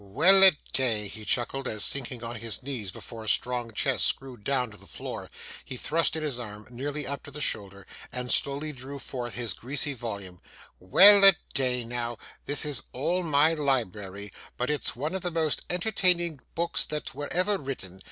'Well a day!' he chuckled, as sinking on his knees before a strong chest screwed down to the floor, he thrust in his arm nearly up to the shoulder, and slowly drew forth this greasy volume. 'Well a day now, this is all my library, but it's one of the most entertaining books that were ever written!